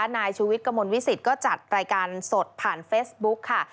นายชูวิทย์กระมวลวิสิตก็จัดรายการสดผ่านเฟซบุ๊กค่ะ